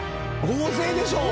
合成でしょ。